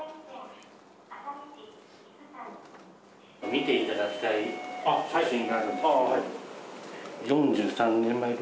見ていただきたい写真があるんですけど。